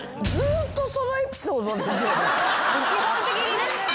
基本的にね。